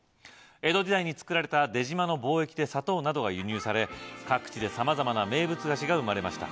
江戸時代に造られた出島の貿易で砂糖などが輸入され各地でさまざまな名物菓子が生まれました